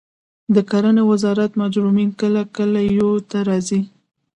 د کرنې وزارت مروجین کله کلیو ته راځي؟